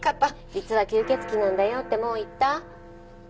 実は吸血鬼なんだよってもう言った？